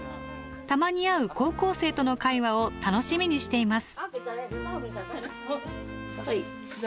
たまに会う高校生との会話を楽しみにしています。